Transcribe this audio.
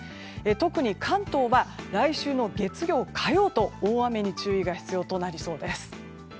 特に関東は来週の月曜、火曜と大雨に注意が必要となりそうです。